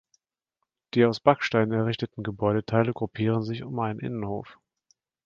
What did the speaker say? Die aus Backsteinen errichteten Gebäudeteile gruppieren sich um einen Innenhof.